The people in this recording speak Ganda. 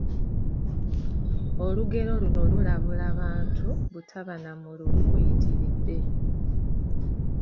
Olugero luno lulabula bantu butaba na mululu guyitiridde